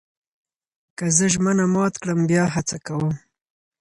که زه ژمنه مات کړم، بیا هڅه کوم.